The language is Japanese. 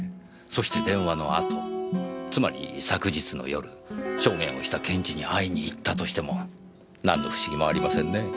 そして電話の後つまり昨日の夜証言をした検事に会いに行ったとしても何の不思議もありませんねぇ。